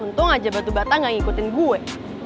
untung aja batu bata gak ngikutin gue